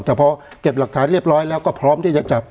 แต่พอเก็บหลักฐานเรียบร้อยแล้วก็พร้อมที่จะจับ